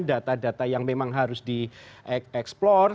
data data yang memang harus di explore